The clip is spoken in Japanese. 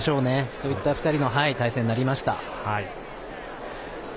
そういった２人の対戦になりました。